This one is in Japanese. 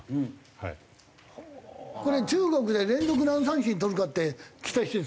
これ中国で連続何三振取るかって期待してるんですか？